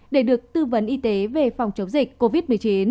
để được tư vấn y tế về phòng chống dịch covid một mươi chín